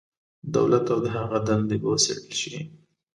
دولت او د هغه دندې به وڅېړل شي.